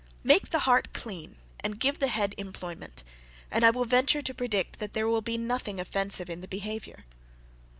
Make the heart clean, and give the head employment, and I will venture to predict that there will be nothing offensive in the behaviour.